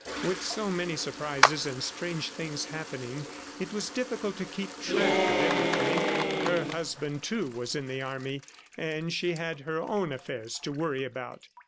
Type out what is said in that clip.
With so many surprises and strange things happening, it was difficult to keep track of everything. Her husband, too, was in the army and she had her own affairs to worry about.